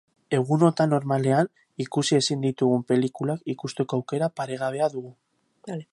Egunotan normalean ikusi ezin ditugun pelikulak ikusteko aukera paregabea dugu.